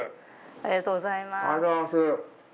ありがとうございます。